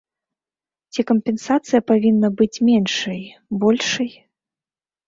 Ці кампенсацыя павінна быць меншай, большай?